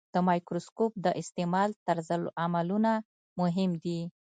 د مایکروسکوپ د استعمال طرزالعملونه مهم دي.